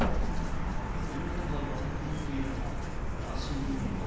そんな中話題となっているのがガーシー議員と